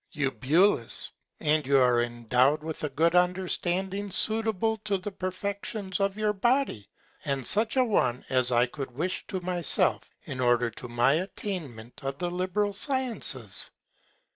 Eu. And you are endow'd with a good Understanding suitable to the Perfections of your Body, and such a one as I could wish to myself, in order to my Attainment of the liberal Sciences.